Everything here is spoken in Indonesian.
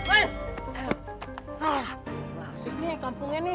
terima kasih nyai